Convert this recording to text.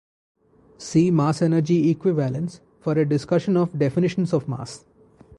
See mass-energy equivalence for a discussion of definitions of mass.